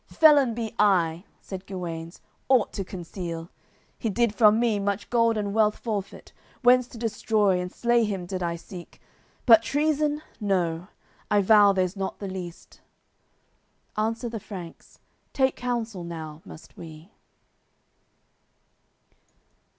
"Felon be I," said Guenes, "aught to conceal! He did from me much gold and wealth forfeit, Whence to destroy and slay him did I seek; But treason, no; I vow there's not the least." Answer the Franks: "Take counsel now must we."